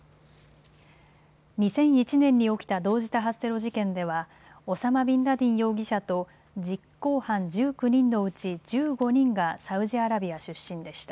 ２００１年に起きた同時多発テロ事件ではオサマ・ビンラディン容疑者と実行犯１９人のうち１５人がサウジアラビア出身でした。